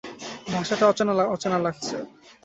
ভাষাটা অচেনা অচেনা লাগছে!